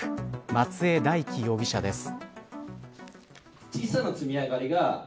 松江大樹容疑者です。